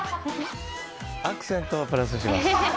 アクセントをプラスします。